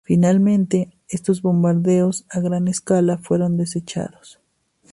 Finalmente, estos bombardeos "a gran escala" fueron desechados.